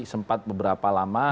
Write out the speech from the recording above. sempat beberapa lama